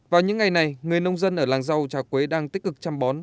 vào những ngày này người nông dân ở làng rau trà quế đang tích cực chăm bón